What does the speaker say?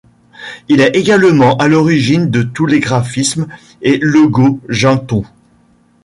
Il est également à l'origine de tous les graphismes et logos Gentoo.